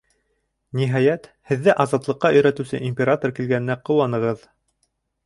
Ниһайәт, һеҙҙе азатлыҡҡа өйрәтеүсе император килгәненә ҡыуанығыҙ.